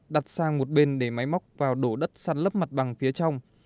đặt sang một bên để máy móc vào đổ đất sát lấp mặt bằng phía trong